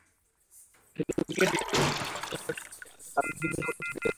শুধু ক্রিকেট দুনিয়া নয়, মুস্তাফিজের খেলার বিষয়টি আলোচিত হচ্ছে রাজনৈতিক বিভিন্ন বৈঠকেও।